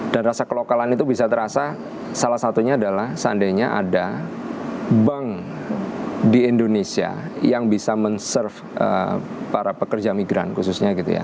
dan rasa kelokalan itu bisa terasa salah satunya adalah seandainya ada bank di indonesia yang bisa men serve para pekerja migran khususnya gitu ya